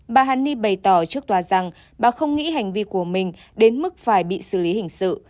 bà hàn ni bày tỏ trước tòa rằng bà không nghĩ hành vi của mình đến mức phải bị xử lý hình sự